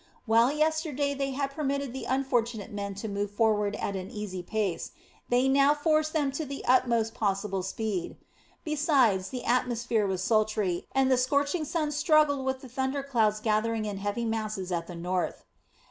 While yesterday they had permitted the unfortunate men to move forward at an easy pace, they now forced them to the utmost possible speed. Besides, the atmosphere was sultry, and the scorching sun struggled with the thunderclouds gathering in heavy masses at the north.